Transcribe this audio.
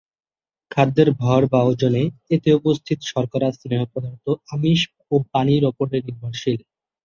খাদ্যের ভর বা ওজনে এতে উপস্থিত শর্করা, স্নেহ পদার্থ, আমিষ ও পানির উপরে নির্ভরশীল।